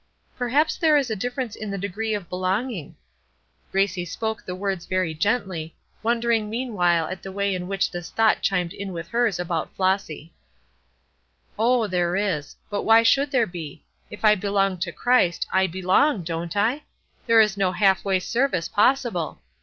"Perhaps there is a difference in the degree of belonging." Gracie spoke the words very gently, wondering meanwhile at the way in which this thought chimed in with hers about Flossy. "Oh, there is. But why should there be? If I belong to Christ, I belong, don't I? There is no half way service possible.